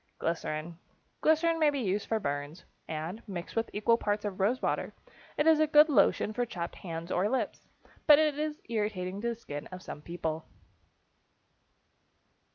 =Glycerin.= Glycerin may be used for burns, and, mixed with equal parts of rose water, it is a good lotion for chapped hands or lips, but it is irritating to the skin of some people.